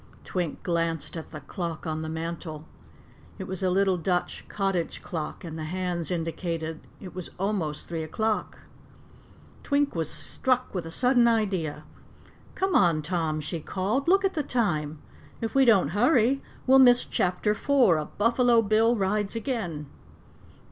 Twink glanced at the clock on the mantle. It was a little Dutch cottage clock and the hands indicated it was almost three o'clock. Twink was struck with a sudden idea. "Come on, Tom!" she called. "Look at the time. If we don't hurry we'll miss Chapter Four of Buffalo Bill Rides Again!"